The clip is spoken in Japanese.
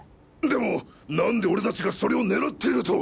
でも何で俺達がそれを狙っていると。